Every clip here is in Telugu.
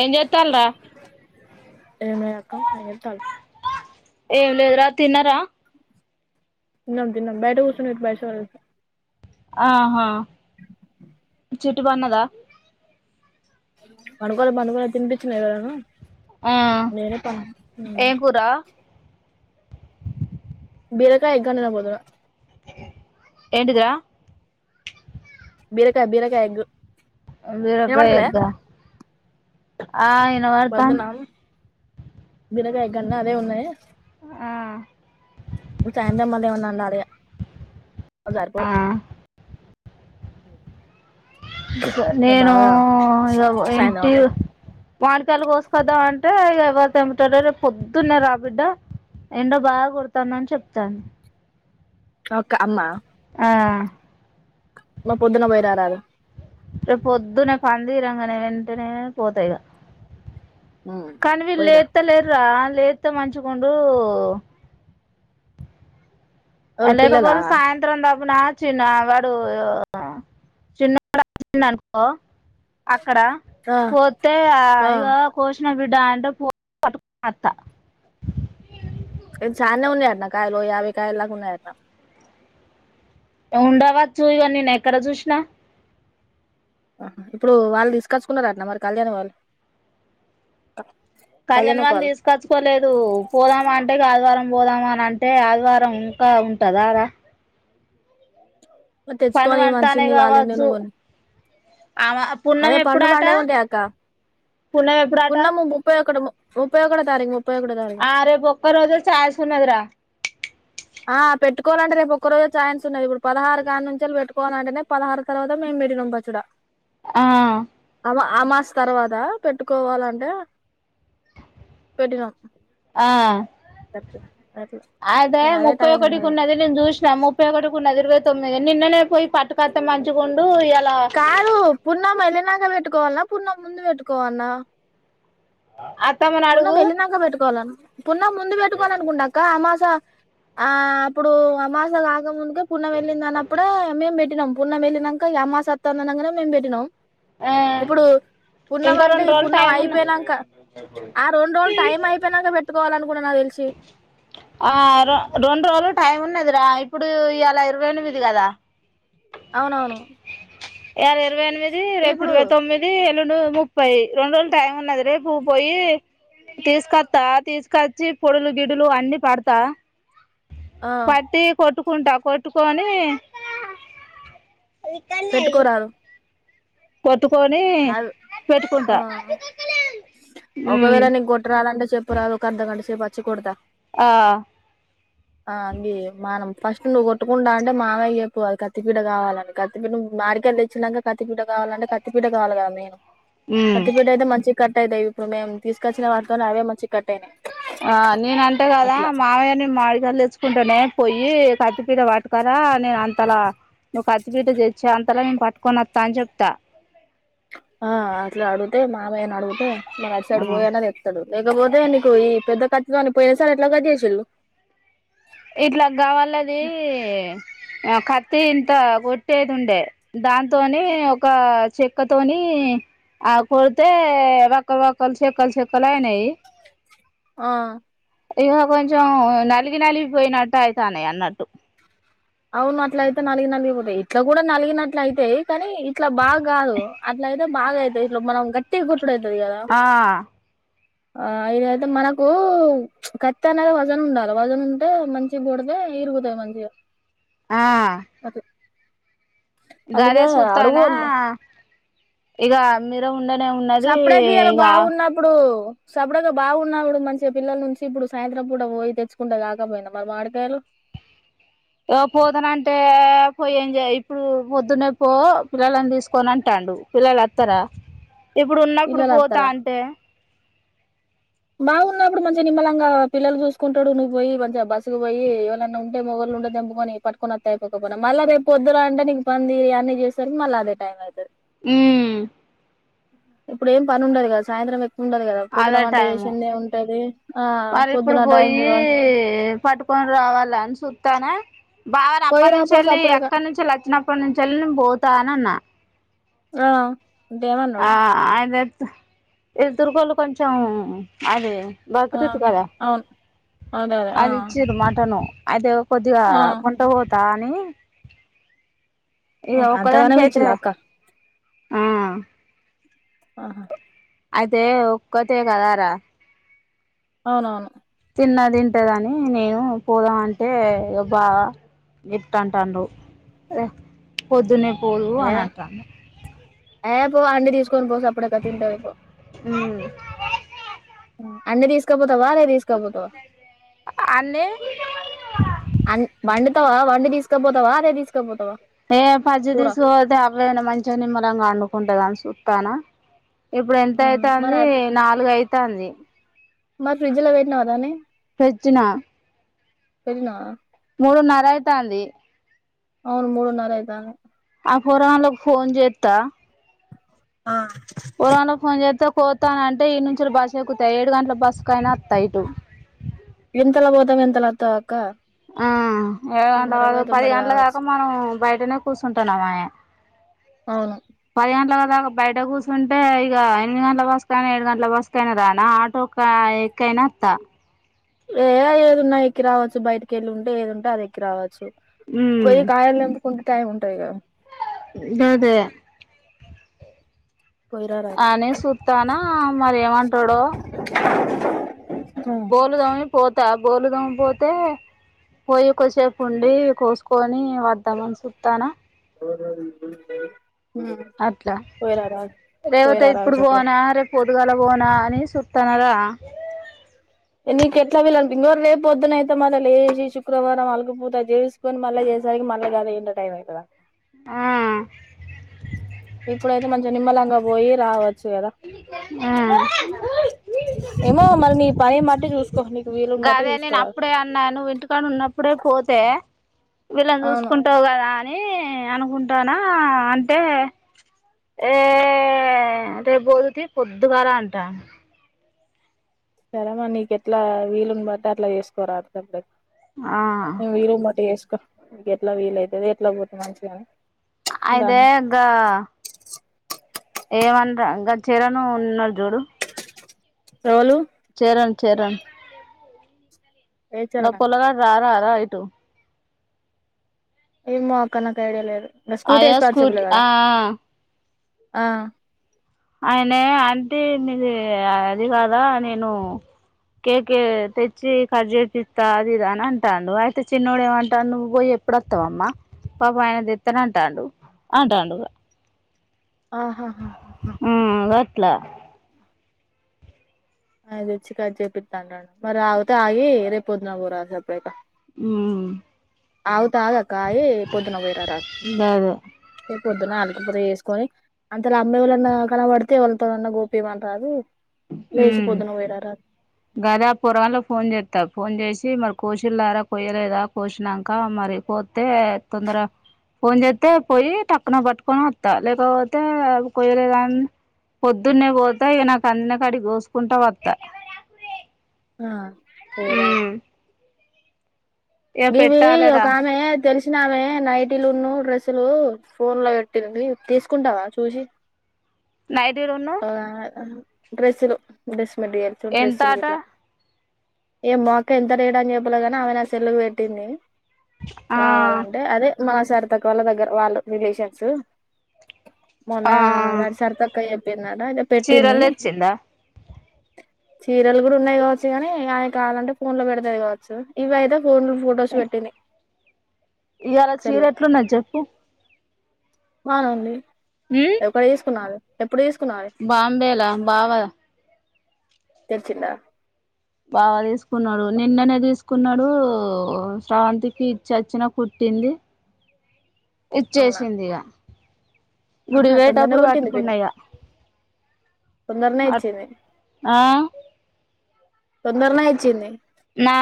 ఏం చేతాలర్ర ఏమే అక్కమ్ [unintelligible] ఎం లేదు రా తిన్నారా. తిన్నం తిన్నం బయట కూర్చొనిట్ బయస వెళ్ళ ఆహా చెట్టు బాగున్నదా మనుగొలు మనుగొలు తినిపించిన ఏదైనా ఆ ఏం కూరా బీరకాయ్ ఎగ్ వండిన పొదున ఏంటిఇదిరా బీరకాయ్ బీరకాయ్ ఎగ్గు అ బీరకాయ్ ఎగ్గా ఆ ఇనబడతాంది. బీరకాయ్ కన్నా అవే ఉన్నాయ్. ఆ ఒ సాయంత్రం మళ్ళీ ఏమన్నఅన్నారే ఓసారి పో ఆ ఇగ నేను బాగా ఇలోపు సాయంత్రం ఎంటి అవుతాం పాణకాలు పోసుకొద్దం అంటే ఎవరితో ఎముతాడో రేపు పొద్దున్నేను రాబిడ్డ ఏండ బాగా కొడతందని చెప్తాను. [unintelligible] అమ్మా ఆ మా పొద్దున పోయిరారాల రేపు పొద్దున్నే పనితీరంగానే వెంటనే పోతాఇగా కానీ వీళ్లు పోయిరా లేత్తలేర్ర లేత్తే మంచిగుండు ఎవలు పిల్లలా అలేకపోతే సాయంత్రం ప్పునా చిన్న వాడు చిన్నోడు వచ్చిండు అనుకో అక్కడ ఆ కోతే ఆ ఇగ కోశ [unintelligible] డాన్డ్రఫ్ పో ఏ చాన్నే ఉన్నాయన్నా కాయలు యాబై కాయల్ దాకా ఉన్నాయన్నా ఉండవచ్చు ఇగో నిను ఎక్కడ చూసిన ఇప్పుడు వాళ్ళు తీసుకొచ్చుకున్నారటనా మరి కళ్యాణ వాళ్ళు కళ్యాణ్ వాళ్ళు తీసుకచ్చుకోలేదు పోదాం అంటే ఇక ఆదివారం పోదామ అని అంటే ఆదివారం ఇంకా ఉంటదరా మరి తెచ్చుకోని అంటానే మనుషుల్ని వాళ్ళైన కావచ్చు నువన్న ఆమె పుణ్యం అదే పండు ఎప్పుడాట పండే ఉంటాయక్క పుణ్యం ఎప్పుడాట ఉన్నాము ముప్పైఅక్కడ ముప్పై ఒకటో తారీకు ఆ రేపు ఒక్క రోజే చాయిస్ ఉన్నదిరా ఆ పెట్టుకోవాలంటే రేపు ఒక్క రోజు చాన్స్ ఉన్నది ఇప్పుడు పదహారు కానుంచెళ్ళి పెట్టు పోనాంటనే పదహారు తర్వాత మేము పెట్టినం పచ్చడా ఆ ఆ మాస తర్వాత పెట్టుకోవాలంటే పెట్టినాం ఆ త త అయితే ముప్పై ఒకటికి ఉన్నది నేను చూసినా, ముప్పై ఒకటికి ఉన్నది ఇరవై తొమ్మిది నిన్ననే పొయ్యి పట్టుకత్తే మంచుగుండు ఇయ కాదు పున్నం ఏళ్లినంక పె ట్టుకోవాల్నా, పున్నం ముందు పెట్టుకోవాల్నా? అ పున్నం వెళ్ళినంక పెట్టుకోవాలను పున్నం ముందు పెట్టుకోవాలనుకుంట అక్క అమాస క్క ఆ అప్పుడు అమాస కాకముందు కు పున్నం ఏళ్ళింది అన్నప్పుడే మేము పెట్టినం పున్నం ఎళ్ళినంక ఇగ అమాస అత్తంది అనంగనే మేము పెట్టినం ఆ ఇప్పుడు పున్నం ఇంకా అంటే రెండు ఈ రోజులు పున్నం టైం ఉన్న పోయినంక ఆ రెండు రోజులు టైం అయిపోయినంక పెట్టుకోవాలనుకుంట నాకు తెలిసి ఆ రో రెండు రోజులు టైమ్ ఉన్నది రా ఇప్పుడు ఈయాల ఇరవై ఎనిమిది కదా అవునవును ఈయాల ఇరవై ఎనిమిది, రేపు ఇప్పుడు ఇరవై తొమ్మిది, ఎల్లుండి డు ముప్పై, రెండు రోజులు టైం ఉన్నది. రేపు పోయి తీసుకొత్తా తీసుకచ్చి, పొడులు గిడులు అన్ని పడ్తా. ఆ పట్టి కొట్టు కుంటా కొట్టుకోనీ పెట్టుకోరాదు కొట్టుకొని అవ్ ఆ పెట్టుకుంటా మ్మ్ చెప్పరాదు ఒక అర్ధగంట సేపు అచ్చి కొడతా ఆ ఆ అది మానం ఫస్ట్ నువ్వు కొట్టుకుంటా అంటే మామయ్య కు చెప్పు. అది కత్తిపీట కావాలని, కత్తి పి మాడికాయలు తెచ్చినంక కత్తిపీట కావాలంటే కత్తి పీట కావాలి కదా మేను ఉమ్ కత్తిపీట అయితే మంచి కట్ అయితాయి ఇప్పుడు మేము తీసుకొచ్చిన వాటితోనే అవే మంచి కట్ అయినాయి ఆ నేను అంట కదా, అట్లా మావయ్య నే మామిడికాయలు తెచ్చుకుంటనే పొయ్యి కత్తిపీట పట్టుకరా, నేను అంతలా నువ్వు కత్తిపీట తెచ్చే అంతలా నేను పట్టుకొని వత్త అని చెప్తా. ఆ అట్ల అడుగుతే మామయ్య ను అడుగుతే మరి అటు ఆ సైడ్ బోయన్న తెత్తడు లేకపోతే నీకు ఈ పెద్ద కత్తి తోని పోయినసారి ఎట్ల కట్ చేసిళ్ళు ఇట్ల గావలదీ ఆ కత్తి ఇంత కొట్టేది ఉండే, దాన్నితోని ఒక చెక్కతోని ఆ కొడితే, వక్క వక్కలు చెక్కలు చెక్కలు అయినయి. ఆ ఇగ కొంచెం నలిగి నలిగిపోయినట్టు అయితానై అన్నట్టు అవును అట్ల అయితే నలిగ నలిగిపోతాయి. ఇట్ల కూడా నలిగినట్లు అయితయి కానీ, ఇట్ల బాగ కాదు అట్ల అయితే బాగ అయితయి. ఇట్ల మనం గట్టిగ ప్పుడు అయితది కదా ఆ ఆ ఇదైతే మనకూ ప్చ్ కత్తి అనేది వజన్ ఉండాల. వజన్ ఉంటే మంచిగ కొడితే, ఇరుగుతయి మంచిగా. ఆ అట్లా గదే అందుకే సూత్తానా అడుగు ఇగ మీరేమో సప్పుడే తియ్యాల బాగున్నప్పుడు సపుడగా బావున్నప్పుడు మంచిగా పిల్లల నుంచి ఇప్పుడు సాయంత్రం పూట పోయి తెచ్చుకుంటే కాకపోయింద మరి మాడికాయలు. ఓ పోతనంటే పొయి ఏం చేయ ఇప్పుడు పొద్దున్నే పో పిల్లలని తీసుకోని అంటాండు. పిల్లలు అత్తర? ఇప్పుడు ఉన్నప్పుడు పిల్లలు పోతా అంటే బావున్నప్పుడు మంచిగ నిమ్మలంగా పిల్లలు చూసుకుంటడు, నువ్వు పొయి మంచిగ బస్సుకు పొయి ఎవలన్న ఉంటే మొగోళ్ళు ఉంటే తెంపుకొని పట్టుకొని అత్తే అయిపోక పోవునా. మళ్ళ రేపు పొద్దున అంటే నీకు పని తీరి అన్నీ చేసేసరికి మళ్ళ అదే టైం అయితది హ్మూ ఇప్పుడు ఏం పని ఉండదు కదా సాయంత్రం ఎ ఉండదు కదా పొద్దున వంట చేసి మరీ ఇప్పుడు టైం పొయ్యీ చూడాలి పట్టుకొని రావాల అని చూ తానా బావని పోయిరా పో అప్పటినుంచెళ్ళి, సప్పుడేక అక్కడినుంచెళ్ళి అచ్చినప్పటి నుంచెళ్ళి, నేను పోతా అని అన్నా. ఆ అంటే ఆ ఏమన్నాడు ఆయిందె ఈ తుర్కోలు కొంచెం అది ఆ బక్రీతు కదా అవును అదే అదే ఆ అది ఇచ్చిర్రు మటను అద్దు కొద్దిగా ఆ కొంటవో టానీ ఇగ ఆహా అంతగానం ఒక్కదానికైతే ఇచ్చిలా అక్క ఆ ఆ హా అదే ఒక్కటే కదారా అవునవును తిన్న తింటదని నేను పోదాం అంటే బాగా ఇట్ట అంటన్నావ్ రె పొద్దున్నే పోరు ఏ అనంట ఏ పో అన్నీ తీస్ కొనిపో సప్పుడైత తింటది పో ఉమ్ అన్నీ తీసుకపోతే తవారే తీసకపోతవా అన్నీ అన్ బండి వత్తవా వండి తీసుకపోతవా అదే తీసుకపోతవా ఏ పచ్చిది తీసుకపోతే అట్లయిన మంచిగా నిమ్మళంగా వండుకుంటది అనుసు తేనా ఇప్పుడు ఎంత ఆ మరి అయితుంది అట్లా నాలుగైదు తేండి మరి ఫ్రిడ్జ్ లో పెట్టినవ దాన్ని పెట్టినా పెన్నా మూడున్నర అయితాంది అవును మూడున్నర అయితాంది ఆ పోరగాళ్లకు ఫోన్ చేత్తా ఆ పురాణ ఫోన్ చేత్తే పోతానంటే ఈడ నుంచి ఈడ బస్సు ఎక్కుతా ఏడు గంటల బస్సుకయినా వత్తా ఇటు ఎంతలా పోతావ్ ఎంతలా వత్తావ్ అక్క ఆ ఏడు తొమ్మిర గంటల పోయి పది తొమ్మిర గంటల రావచ్చు దాకా మనం బయటనే కూర్చుంటున్నాం ఆయే అవును పది గంటలకా [unintelligible] బయట కూర్చుంటే ఇగ రెండు గంటల బస్కైనా ఏడు గంటల బస్సుకైన రానా ఆటో ఎక్కైనా వత్తా ఏ ఏదున్నా ఎక్కి రావచ్చు బయటికి వెళ్ళి ఉంటే ఏది ఉంటే అది ఎక్కి రావచ్చు ఉమ్ పోయి కాయాల కొంత టైం ఉంటాయి కదా గదే పోయిరా రాదు అని చూత్తానా మరి ఏమంటడో బోళ్ళు తోమి పో త బోళ్ళుతోమి పోతే పోయి ఎక్కువసేపు ఉండి కోసుకొని వద్దామని చూత్తానా గు [inaudible] అట్లా రేవతే పోయిరా రాదు ఇప్పుడు సప్పుడేక పోనా రేపు పొద్దుగాల పోనా అని చూత్ తనదా నీకు ఎట్లా వీళంట ఇంగో రేపు పొద్దున అయితే మళ్ళ లేసి శుక్రవారం అలుకుపూత చేసుకొని మళ్ళ చేసేసరికి మళ్ళ గదే ఇంత టైం అయితదా ఆ ఇప్పుడైతే మంచిగా నిమ్మలంగా పోయి రావ ఆ ఏమో మరి నీ పని బట్టి చూసుకో నీకు వీలుని బట్టి గదే నేను చూసుకోరాదు అప్పుడే అన్నా నువ్ ఇంటికానున్నప్పుడే పోతే వీళ్ళని అవును చూసుకుంటావు కదా ని అనుకుంటానా అంటే ఏ రేపోదూ తీ పొద్దుగారా అంటా సరే మరి నిక్ ఎట్ల వీలుని బట్టి అట్లా చేసుకోరాదు సప్దాకా ఆ నీ వీరును బట్టి ఏస్ క ఎట్ల వీలైతది ఎట్ల [unintelligible] మంచిగా అయితే గ ఏం అన్రా ఇంక గా చరను ఉన్నాడు చూడు రోలు చెరన్ చెరన్ గా ఏచారనక్క పొలగాడు రారార ఇ టో ఏమో అక్క నాక్ ఐడియా లేదు ఆ యా స్కూటీ ఆ ఆ ఆ ఆయనే అంటే నీది అది కాదా నేను కేకే తెచ్చి కట్ చేపిత్త అదిదా అని అంటాండు అయితే చిన్నోడు ఏమంటాను నువ్వు పోయి ఎప్పుడొత్తావమ్మ పాపం ఆయన తెస్తానంటాండు అంటాండు ఆహాహా హ హ అంగట్లా అదిచ్చి కట్ చేపిద్దా అంటన్నడు మరి ఆగుతే ఆగి రేప్ పొద్దున పోత అన్ చెపేక ఉమ్ అవు తాగా కాయే పొద్దున పొయ్ రారా గదే పొద్దున అలికిపూత చేసుకొని అంతలో అమ్మ ఎవలన్న కనపడితే వాళతోనన్నా గోపిమంటాది హుం గదా పోరగాండ్లు ఫోన్ చేత్ త్త ఫోన్ చేసి మరి కోశిల్లారా కొయ్యలేదా కోసినంక మరి కొత్తే తొందర ఫోన్ చెత్తే పోయి టక్కున పట్టుకొని వత్త లేకపోతే కొయ్యలేదా అని పొద్దున్నే పోతె ఇగ నాక్ కన్నకాడి కోసుకుంట వత్త ఆ మ్ ఇవి ఒక ఆమె తెలిసిన ఆమె నైటిలును డ్రెస్ తులు ఫోన్ లో పెట్టింది తీసుకుంటావ చూసి నైటీలున్ను ఆ డ్రెస్సులు డ్రెస్ [unintelligible] డ్రెస్సులు ఎంతాట గిట్ల ఏమోక్క ఎంత రేటని చెప్పలే గాని ఆమె నా సెల్లుకి పెట్టింది ఆ కావాలంటె అదె మా సరితక్క వాళ్ళ దగ్గర వాళ్ళు రిలేషన్స్ మొన్న ఆ నాక్ సరితక్క చెప్ తిన్నాడ ఇగ పెట్టింది చీరలు తెచ్చిందా చీరలు గూడ ఉన్నాయి గావచ్చు గని ఆమే కావాలంటే ఫోన్ లో పెడతది గావచ్చు ఇవి అయితె ఫోన్ లొ ఫొటోస్ పెట్టింది ఇయలా చీర ఎట్లున్నది జెప్పు బానేఉంది ఎక్కడ తీసుకున్నవ్ అది బాంబేలా బావ తెచ్చిండా బావా తీసుకున్నాడు నిన్ననే తీసుకున్నడు శ్రావంతికి ఇచొచ్చిన కుట్టింది అవునా ఇచ్చేసింది ఇగ గుడి ఆహా తొందరనే పోయేటప్పుడు కుట్టింది కట్టుకున్న పిన్ని ఇగ తొందరనే అట్ ఇచ్చింది ఆ తొందరనే ఇచ్చింది నా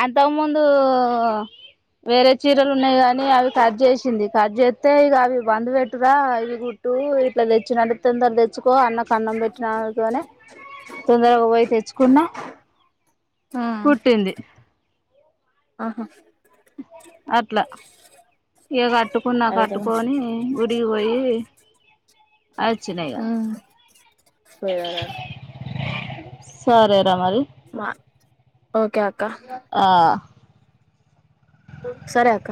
అంతక్ ముందు వేరే చే చీరలు ఉన్నాయి కానీ అవి కట్ జేసింది కట్ జే తే ఇగ అవి బంద్ బెట్టు రా ఇవి గుట్టు ఇట్ల తెచ్చనందుక్ తొందర తెచ్చ కో అన్న క్ అన్నం పెట్టినఅనుడ్తోనే తొందరగా పోయి తెచ్చుకున్న ఆ పుట్టింది ఆహా అట్లా ఇగ కట్టుకున్నా అయితే కట్టుకొని గుడికి పోయి వచ్చిన ఇగ మ్మ్ సరే ర మరి మా ఒకే అక్ ఆ సరే అక్క